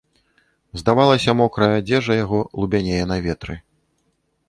Здавалася, мокрая адзежа яго лубянее на ветры.